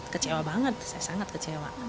kecewa banget saya sangat kecewa